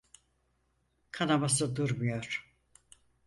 Kanaması durmuyor.